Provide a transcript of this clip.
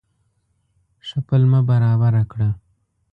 ښه پلمه برابره کړه.